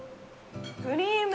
クリーム？